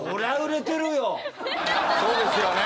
そうですよね。